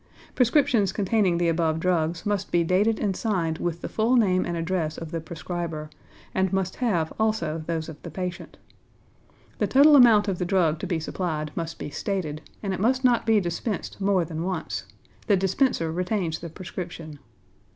Prescriptions containing the above drugs must be dated and signed with the full name and address of the prescriber, and must have also those of the patient. The total amount of the drug to be supplied must be stated, and it must not be dispensed more than once; the dispenser retains the prescription.